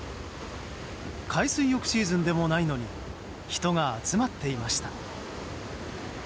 海水浴シーズンでもないのに人が集まっていました。